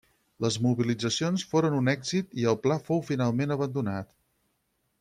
Les mobilitzacions foren un èxit i el pla fou finalment abandonat.